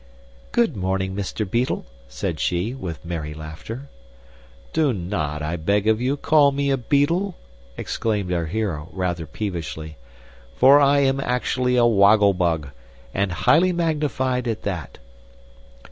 "Good morning, Mr. Beetle," said she, with merry laughter. "Do not, I beg of you, call me a beetle," exclaimed our hero, rather peevishly; "for I am actually a Woggle Bug, and Highly Magnified at that!"